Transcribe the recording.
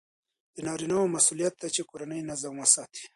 د نارینه مسئولیت دی چې کورنی نظم وساتي.